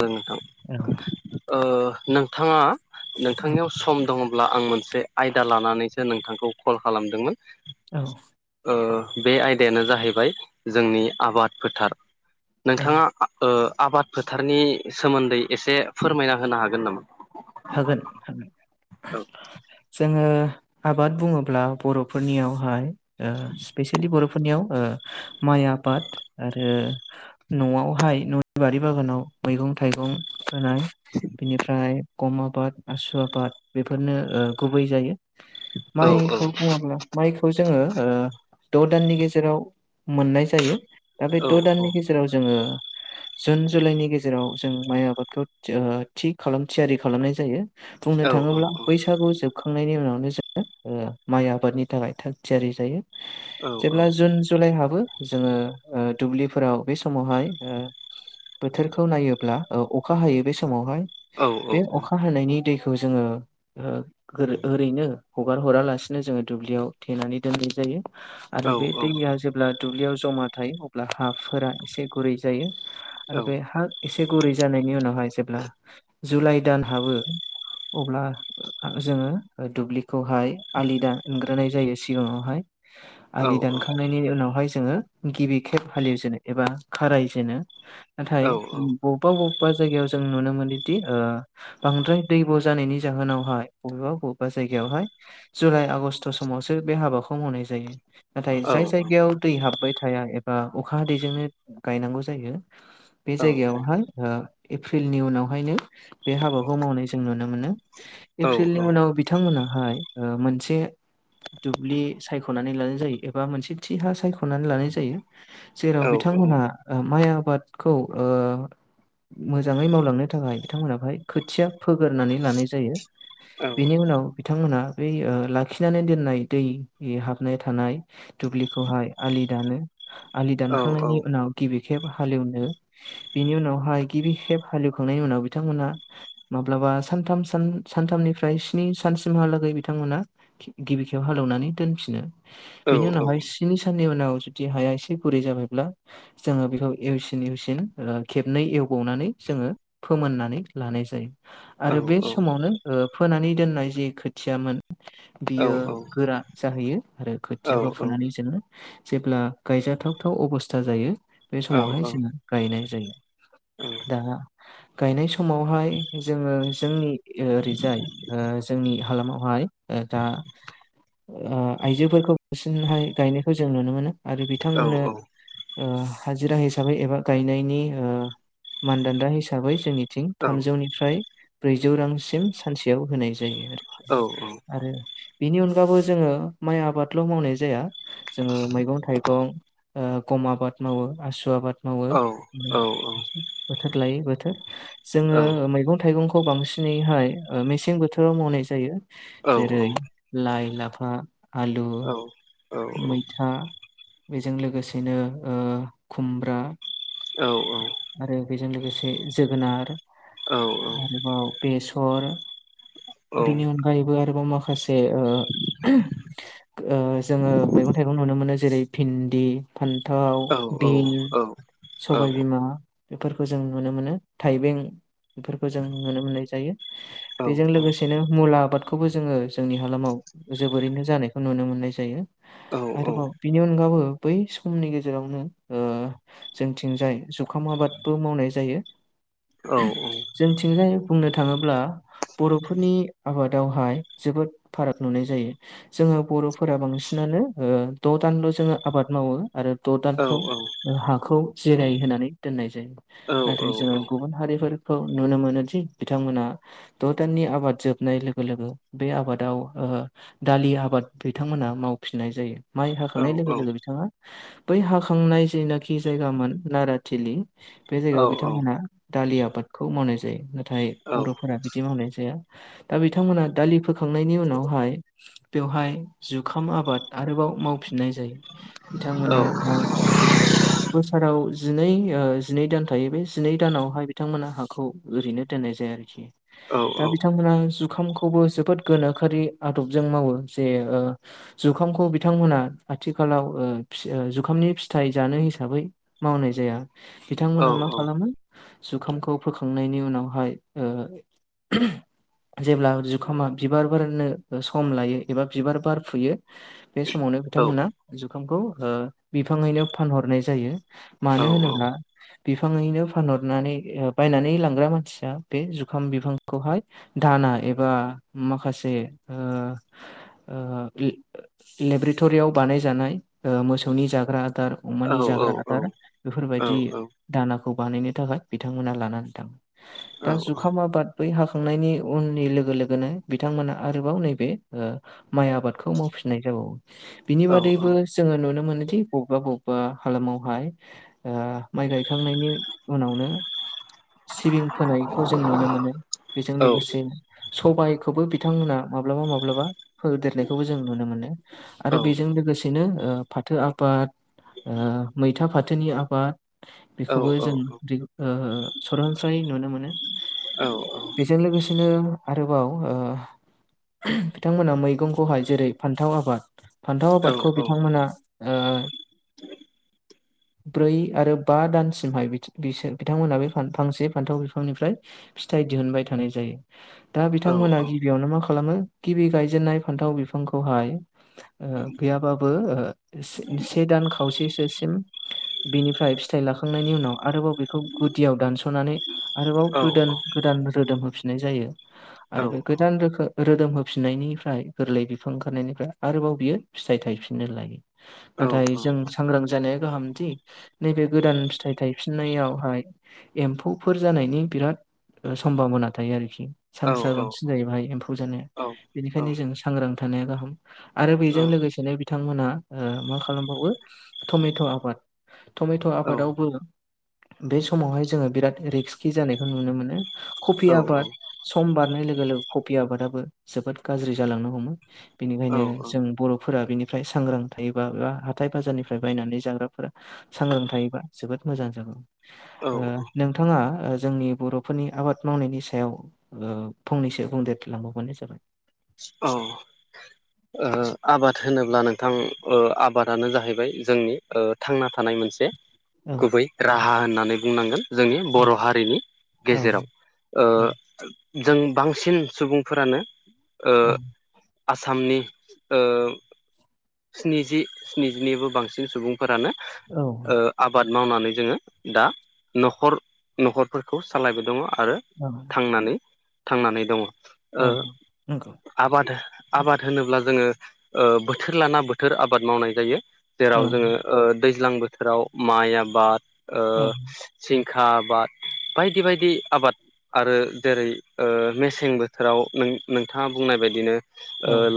जों नोंथां औ ओ नोंथांङा नोंथांनियाव सम दङब्ला आं मोनसे आयदा लानानैसो नोंथांखौ कल खालामदोंमोन। औ। ओ बे आयदायानो जाहैबाय जोंनि आबाद फोथार। औ नोंथांङा ओ आबाद फोथारनि सोमोन्दै एसे फोरमायना होनो हागोन नामा? होगोन होगोन जोङो आबाद बुङोब्ला बर'फोरनियावहाय ओ स्पेसियेलि बर'फोरनियाव ओ माइ आबाद आरो न'आवहाय न'नि बारि बागानाव मैगं मैगं थाइगं फोनाय बिनिफ्राय गम आबाद आसु आबाद बेफोरनो ओ गुबै जायो। औ औ माइखौ बुङोब्ला माइखौ जोङो ओ द' दाननि गेजेराव मोननाय जायो दा बे औ द' दाननि गेजेराव जोङो जुन जुलाइनि गेजेराव जों माइ आबादखौ ओ थि खालाम थियारि खालामनाय जायो। बुंनो औ थाङोब्ला बैसागु जोबखां खांनायनि उनावनो ओ जोङो माइ आबादनि थाखाय थाग थियारि जायो। औ जेब्ला जुन जुलाइ हाबो जोङो दुब्लिफोराव बे समावहाय ओ बोथोरखौ नायोब्ला ओ अखा हायो बे समावहाय। औ बे औ। अखा हानायनि दैखौ जोङो ओरैनो हगार हरा लासिनो जोङो दुब्लियाव थेनानै दोन जायो। औ आरो बे दैया जेब्ला दुब्लियाव जमा थायो अब्ला हाफोरा एसे गुरै जायो औ आरो बे हा एसे गुरै जानायनि उनावहाय जेब्ला जुलाइ दान हाबो अब्ला जोङो दुब्लिखौहाय आलि दानग्रोनाय जायो सिगाङावहाय आलि दानखांनायनि उनावहाय जोङो गिबि खेब हालेवजेनो एबा खारायजेनो नाथाय बबेबा बबेबा अबेब जायगायाव जों नुनो मोनो बांद्राय दैब' जानायनि जाहोनावहाय बबेबा बबेबा जायहाय जुइ आगष्ट' समावसो बे हाबाखौ मावनाय जायो नाथाय जाय जायगायाव दै हाबबाय थाया एबा अखा ह दैैजोंनो गायनांगौ जायो बे जायगायावहाय एप्रिलनि उनावहायनो बे हाबाखौ मावनाय जों नुनो मोनो एप्रिलनि उनाव बिथांमोनाहाय मोनसे दुब्लि सायख'नानै लानाय जायो एबा मोनसे थि हा सायख'नानै लानाय जायो जेराव बिथां बिथांमोनहा माइ आबादखौ मोजाङै मावलांनो थाखाय बिथांमोनाबहाय खोथिया फोगोरनानै लानाय जायो बेनि उनाव बिथांमोनहा बै लाखिनानै दोननाय दै हाबनाय थानाय दुब्लिखौहाय आलि दानो आलि दानखांनायनि उनाव गिबि खेब हालेवनो बिनि उनावहाय गिबि खेब हालेवखांनायनि उनाव बिथांमोना माब्लाबा सानथाम सानथामनिफ्राय स्नि सानसिमहालागै बिथांमोना गिबि खेब हालेवनानै दोनफिनो बेनि उनावहाय स्नि साननि उनाव जुदि हाया एसे गुरै जायो जोङो बेखौ एवसिन एवसिन खेबनै एवबावनानै जोङो फोमोननानै लानाय जायो आरो बे समावनो फोनानै दोननाय जि खोथियामोन बियो औ गोरा जाहैयो आरो औ खोथियाखौ औ फुनानै जोङो जेब्ला गायजाथाव गायजाथाव अबस्था जायो बे समावहाय जोंहा गायनाय जायो दा गायनाय समावहाय जोङो जोंनि ओरैजाय जोंनि हालामावहाय ओ दा आ आइजोफोरखौ बांसिनहाय गायनायखौ जों नुनो मोनो आरो बिथांमोननो ओ हाजिरा हिसाबै एबा गायनायनि मानदान्दा हिसाबै हिसाबै जोंनिथिं थामजौनिफ्राय ब्रैजौ रांसिम सानसेयाव होनाय जायो आरोखि आरो बेनि अनगाबबो जोङो माइ आबादल' मावनाय जाया जोङो मैगं थाइगं गम आबाद मावो आसु आबाद मावो बोथोर लाय बोथोर जोङो मैगं थाइगंखौ बांसिनैहाय मेसें बोथोराव मावनाय जायो जेरै लाइ लाफा आलु मैथा बेजों लोगोसेनो खुमब्रा आरो बेजों लोगोसे जोगोनार आरोबाव बेसर बिनि अनगायैबो आरोबाव माखासे जोङो मैगं मैगं थाइगं नुनो मोनो जेरै भिन्दि फान्थाव बिन सबायबिमा बेफोरखौ जों नुनो मोनो थाइबें बेफोरखौ जों नुनो मोननाय जायो बेजों लोगोसेनो मुला आबादखौबो जोङो जोंनि हालामाव जोबोरैनो जानायखौ नुनो मोननाय जायो आरोबाव बिनि अनगाबो बै समनि गेजेराव ओ जोंथिंजाय जुखाम आबादबो मावनाय जायो जोंथिंजायै बुंनो थाङोब्ला बर'फोरनि आबादावहाय जोब बोद फाराग नुनाय जायो जोङो बर'फोरा बांसिनानो ओ द' दानल' जोङो आबाद मावो आरो द' दानखौ हाखौ जिराय होनानै दोननाय जायो नाथाय जोङो गुबुन हारिफोरखौ नुनो मोनोदि बिथांमोना द' दाननि नि आबाद जोबनाय लोगो लोगो बे आबादाव ओ दालि आबाद बिथांमोना मावफिननाय जा यो माइ हाखांनाय लोगो लोगो बिथाङा बै हाखांनाय जेनाखि जायगामोन नारा थिलि बे जायगायाव बिथांमोना दालि आबादखौ मावनाय जायो नाथाय बर'फोरा बिदि मावनाय जाया दा बिथांमोना दालि फोखांनायनि उनावहाय बेवहाय जुखाम आबाद आरोबाव मावफिननाय जायो बिथांमोना ओ जि बोसोराव जिनै ओ जिनै दान थायो बे जिनै दानावहाय बिथांमोनहा हाखौ ओरैनो दोननाय जाया आरोखि। दा बिथांमोना जुखामखौबो जोबोद गोनोखोयारि आदबजों मावो जे जुखामखौ बिथांमोना आथिखालाव ओ फि ओ जुखामनि फिथाइ जानो हिसाबै मावनाय जाया बिथांमोनहा मा खालामो जुखामखौ फोखांनायनि उनावहाय ओ [inaudible] जेब्ला जुखामा बिबार बारनो सम लायो एबा बिबार बार फुयो बे समावनो बिथांमोना जुखामखौ ओ बिफाङैनो फानहरनाय जायो। मानो होनोब्ला बिफाङैनो फानहरनानै ओ बायनानै लांग्रा मानसिया बे जु खाम बिफांखौहाय दाना एबा माखासे ओ ओ ले लेबरटरिआव बानायजानाय ओ मोसौनि जाग्रा दार अमानि जाग्रा आदार बेफोरबायदि दाना खौ बानायनो थाखाय बिथांमोना लानानै थाङो दा जुखाम आबाद बै हाखांनायनि उननि लो गो लोगोनो बिथांमोना आरोबाव नैबे ओ माइ आबादखौ मावफिननाय जाबावो। बिनि बादैबो जोङो नुनो मोनोदि बबेबा बबेबा हालामाव हाय ओ माइ गायखांनायनि उनावनो सिबिं फोनायखौ जों नुनो मोनो बेजों लोगोसे सबायखौबो बिथांमोना माब्लाबा माब्लाबा फोदेरनायखौबो जों नुनो मोनो आरो बेजों लोगोसेनो ओ फाथो आ बाद ओ मैथा फाथोनि आबाद बेखौबो जों [unintelligible] ओ सरास्रायै नुनो मोनो औ बेजों लोगोसेनो आरोबाव ओ बिथांमोना मैगंखौहाय जेरै फान्थाव आबाद फान्थाव आबादखौ बिथांमोना ओ ब्रै आरो बा दानसिमहाय बि बिसोर बिथांमोना बे फान फांसे फान्थाव बिफांनिफ्राय फिथाइ दिहुनबाय थानाय जायो दा बिथांमोना गिबियावनो मा खालामो गिबि गायजेननाय फान्थाव बिफांखौ हाय गैयाबाबो से दान खावसेसोसिम [inaudible] बिनिफ्राय फिथाइ लाखांनायनि उनाव आरोबाव बेखौ गुदियाव दानस'नानै आरोबाव गोदान गोदान रोदोम होफिननाय जायो औ आरो बे गोदान रोखो रोदोम होफिननायनिफ्राय गोरलै बिफां ओंखारनाय आरोबाव बियो फिथाइ थायफिननो लायो नाथाय जों सांग्रां जानाया गाहामदि नैबे गोदान फिथाइ थायफिननायावहाय एम्फौफोर जानायनि बिराद ओ सम्भाबना थायो आरोखि सान्सआ बांसिन जायो बाहाय एम्फौ जानो बेनिखायनो जों सांग्रां था नाया गाहाम आरो बेजों लोगोसेनो बिथांमोना ओ मा खालामबावो टमे ट' आबाद टमेट' आबादावबो बे समावहाय जोङो बिराद रिकस्कि जानायखौ नुनो मोनो कफि आबाद सम बारनाय लोगो लोगो कफि आबादाबो जोबोद गाज्रि जालांनो हमो औ बेनिखायनो जों बर'फोरा बेनिफ्राय सांग्रां थायोबा बा हाथाय बाजारनिफ्राय बायनानै जाग्राफोरा सांग्रां थायोबा जोबोद मोजां जागौ ओ नोंथाङा ओ जोंनि बर'फोरनि आबाद मावनायनि सायाव ओ फंनैसो बुंदेरलांबावबानो जाबाय। औ ओ आबाद होनोब्ला नोंथां आबादानो जाहैबाय जोंनि ओ थांना थानाय मोनसे औ गुबै राहा होननानै बुंनांगोन। जोंनि बर' हारिनि औ गेजेराव ओ जों बांसिन सुबुंफोरानो ओ आसामनि ओ स्निजि स्निजिनिबो बांसिन सुबुं फोरानो औ ओ आबाद मावनानै जोङो दा न'खर न'खरफोरखौ सालायबाय दङ। आरो औ थांनानै थांनानै दङ। ओ औ नंगौ आबाद आबाद होनोब्ला जोङो बोथोर लाना बोथोर आबाद मावनाय जायो औ जेराव जोङो ओ दैज्लां बोथोराव माइ आबाद ओ औ जिंखा आबाद बायदि बायदि आबाद आरो जेरै ओ मेसें बोथोराव नोंथाङा बुंनाय बायदिनो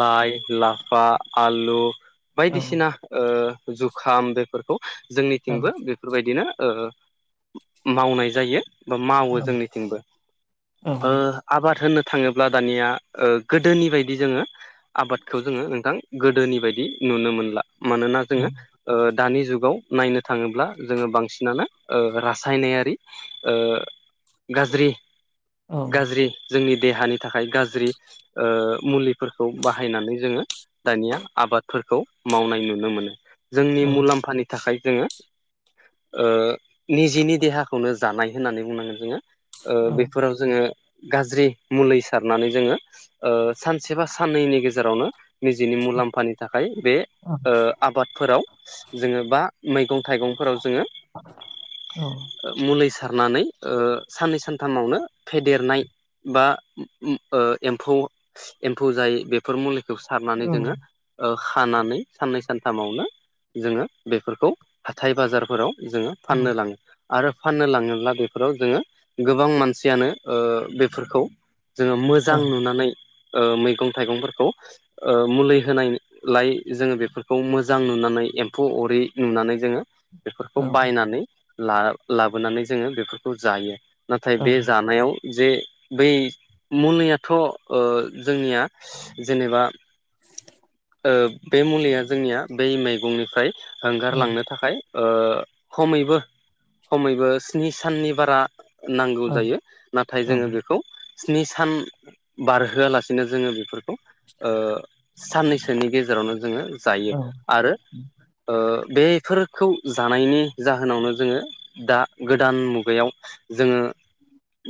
लाइ लाफा आलु औ बायदिसिना ओ जुखाम बेफोरखौ जोंनिथिंबो बेफोरबायदिनो ओ मावनाय जायो बा मावो जोंनिथिंबो ओ औ आबाद होनो थाङोब्ला दानिया गोदोनि बायदि जोङो आबाद खौ जोङो नोंथां गोदोनि बायदि नुनो मोनला मानोना जोङो ओ दानि जुगाव नायनो थाङोब्ला जोङो बांसिनानो रासायनारि गाज्रि औ औ गाज्रि जोंनि देहानि थाखाय गाज्रि ओ मुलिफोरखौ बाहायनानै जोङो दानिया आबादफोरखौ मावनाय नुनो मोनो जोंनि मुलाम्फानि थाखाय जोङो ओ निजेनि देहाखौनो जानाय होननानै बुंनांगोन जोङो ओ बेफोराव जोङो गाज्रि मुलै सारनानै जोङो सानसे बा साननैनि गेजेरावनो निजिनि मुलाम्फानि थाखाय बे ओ आबादफोराव जोङो बा मैगं थाइगंफोराव जोङो मुलि सारनानै साननै सानथामावनो फेदेरनाय बा एम्फौ एम्फौ जायै बेफोर मुलैखौ सारनानै जोङो खानानै साननै सानथामावनो जोङो बेफोरखौ हाथाय बाजारफोराव जोङो फाननो लाङो आरो फाननो लाङोब्ला बेफोराव जोङो गोबां मानसियानो ओ बेफोरखौ जोङो मोजां नुनानै ओ मैगं थाइगंफोरखौ मुलि होनायलाय जोङो बेफोरखौ मोजां नुनानै एम्फौ अरि नुनानै जोङो बेफोरखौ बायनानै ला लाबोनानै जोङो बेफोरखौ जायो नाथाय बे जानायाव जे बै मुलियाथ' ओ जोंनिया जेनेबा ओ बे मुलिया जोंनिया बै मैगंनिफ्राय हगारलांनो थाखाय खमैबो खमैबो स्नि साननि बारा नांगौ जायो नाथाय जोङो बेखौ स्नि सान बारहोआलासिनो जोङो बेफोरखौ ओ साननैसोनि गेजेरावनो जोङो जायो आरो ओ बेफोरखौ जानायनि जाहोनावनो जोङो दा गोदान मुगायाव जोङो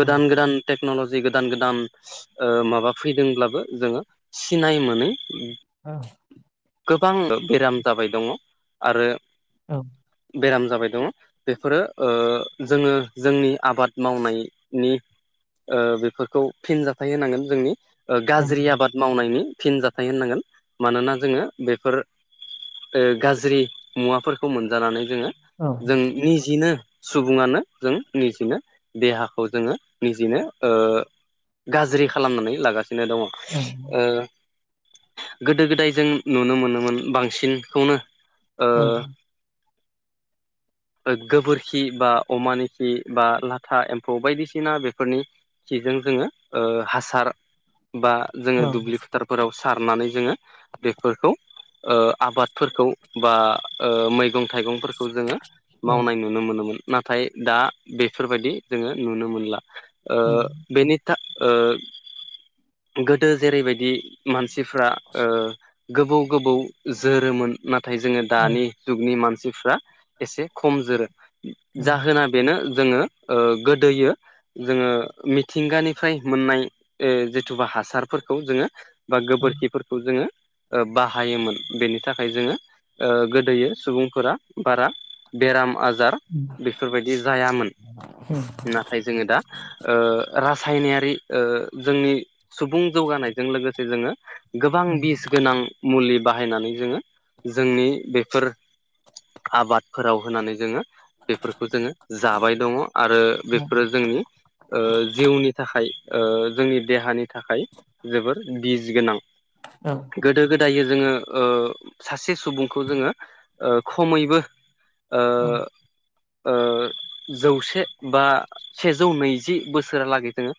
गोदान गोदान टेक्न'लजि गोदान गोदान‌ओ माबा फैदोंब्लाबो जोङो सिनाय मोनै औ गोबां बेराम जाबाय दङ आरो औ बेराम जाबाय दङ बेफोरो जोङो जोंनि आबाद मावनायनि बेफोरखौ फिनजाथाय होननांगोन जोंनि गाज्रि आबाद मावनायनि फिनजाथाय होननांगोन मानोना जोङो बेफोर गाज्रि मुवाफोरखौ मोनजानानै जोङो जों निजिनो सुबुङानो जों निजिनो देहाखौ जोङो निजिनो गाज्रि खालामनानै लागासिनो दङ गोदो गोदाय जों नुनो मोनोमोन बांसिनखौनो [inaudible] गोबोरखि बा अमानि खि बा लाथा एम्फौ बायदिसिना बेफोरनि खिजों जोङो हासार बा जोङो दुब्लि फोथारफोराव सारनानै जोङो बेफोरखौ आबादफोरखौ बा मैगं थाइगंफोरखौ जोङो मावनाय नुनो मोनोमोन। नाथाय दा बेफोरबायदि जोङो नुनो मोनला बेनि गोदो जेरैबायदि मानसिफ्रा गोबाव गोबाव जोरोमोन नाथाय जोङो दानि जुगनि मानसिफ्रा एसे खम जोरो जाहोना बेनो जोङो गोदोयो जोङो मिथिंगानिफ्राय मोननाय जिथु बा हासारफोरखौ जोङो बा गोबोरखिफोरखौ जोङो ओ बाहायोमोन बेनि थाखाय जोङो गोदोयो सुबुंफोरा बारा बेराम आजार बेफोरबायदि जायामोन नाथाय जोङो दा रासायनारि जोंनि सुबुं जौगानायजों लोगोसे जोङो गोबां बिस गोनां मुलि बाहायनानै जोङो जोंनि बेफोर आबादफोराव होनानै जोङो बेफोरखौ जोङो जाबाय दङ आरो बेफोरो जोंनि जिउनि थाखाय जोंनि देहानि थाखाय जोबोर बिस गोनां गोदो गोदाय गोदाय जोङो सासे सुबुंखौ जोङो खमैबो ओ औ जौसे बा सेजौ नैजि बोसोरालागै जोङो